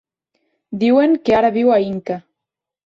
Diuen que ara viu a Inca.